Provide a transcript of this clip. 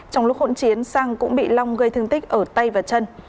trong lúc hỗn chiến sang cũng bị long gây thương tích ở tay và chân